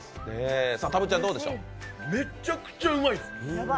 めちゃくちゃうまいです。